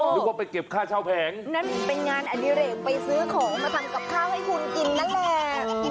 นึกว่าไปเก็บค่าเช่าแผงนั่นเป็นงานอดิเรกไปซื้อของมาทำกับข้าวให้คุณกินนั่นแหละ